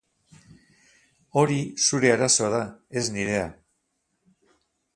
Hori zure arazoa da, ez nirea.